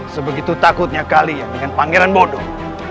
sebegitu takutnya kalian dengan pangeran bodoh